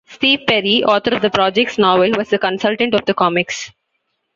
Steve Perry, author of the project's novel, was a consultant of the comics.